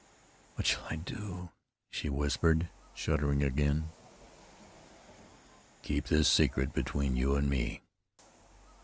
"What shall I do?" she whispered, shuddering again. "Keep this secret between you an' me."